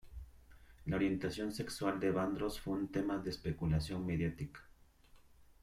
La orientación sexual de Vandross fue un tema de especulación mediática.